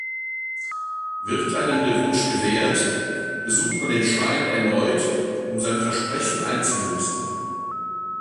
Wird einem der Wunsch gewährt, besucht man den Schrein erneut, um sein Versprechen einzulösen.